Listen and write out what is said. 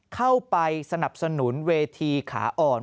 เข้าไปสนับสนุนเวทีขาอ่อน